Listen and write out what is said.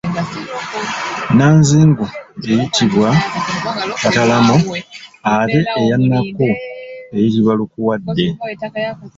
Nnanzigu eyitibwa Katalamo ate eya Nakku eyitibwa Lukuwadde.